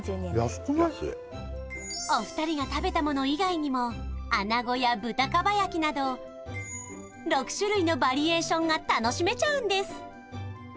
安いお二人が食べたもの以外にもあなごや豚蒲焼など６種類のバリエーションが楽しめちゃうんです